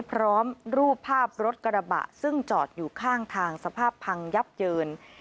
พร้อมรูปภาพรถกระบะซึ่งจอดอยู่ข้างทางสภาพพังยับเยิน